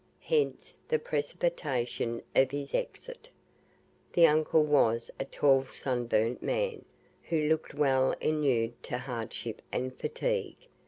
Hence the precipitation of his exit. The uncle was a tall sunburnt man, who looked well inured to hardship and fatigue.